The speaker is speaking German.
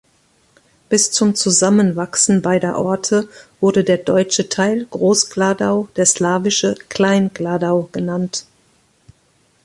Bis zum Zusammenwachsen beider Orte wurde der deutsche Teil Groß-Gladau, der slawische Klein-Gladau genannt.